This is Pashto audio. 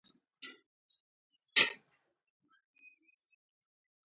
هغه به هر سهار کار ته تلو.